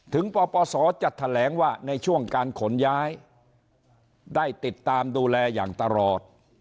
ปปศจะแถลงว่าในช่วงการขนย้ายได้ติดตามดูแลอย่างตลอด